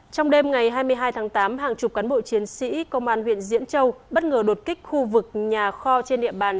trong đêm ngày hai mươi hai tháng tám hàng chục cán bộ chiến sĩ công an huyện diễn châu bất ngờ đột kích khu vực nhà kho trên địa bàn